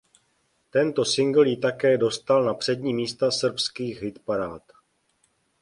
Tento singl ji také dostal na přední místa srbských hitparád.